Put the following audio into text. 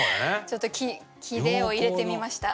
ちょっと切れを入れてみました。